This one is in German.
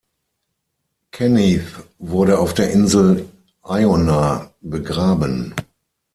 Kenneth wurde auf der Insel Iona begraben.